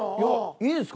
いいですか？